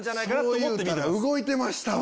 そういうたら動いてましたわ。